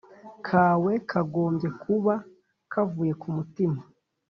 kawe kagombye kuba kavuye ku mutima